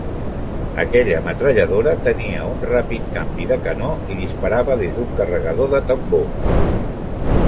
Aquella metralladora tenia un ràpid canvi de canó i disparava des d’un carregador de tambor.